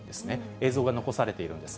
映像が残されているんです。